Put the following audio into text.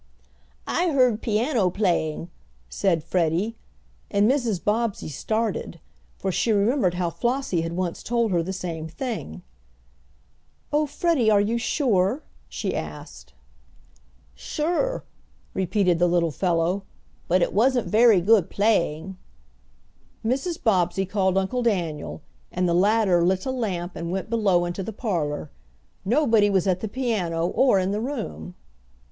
"I heard piano playing," said Freddie, and Mrs. Bobbsey started, for she remembered how Flossie had once told her the same thing. "Oh, Freddie, are you sure?" she asked. "Sure," repeated the little fellow. "But it wasn't very good playing." Mrs. Bobbsey called Uncle Daniel, and the latter lit a lamp and went below into the parlor. Nobody was at the piano or in the room.